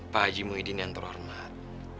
pak haji muhyiddin yang terhormat